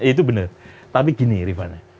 itu benar tapi gini rifana